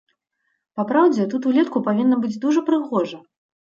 Папраўдзе, тут улетку павінна быць дужа прыгожа.